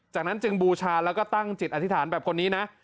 จากนั้นจึงบูชาแล้วก็ตั้งจิตอธิษฐานแบบคนนี้นะ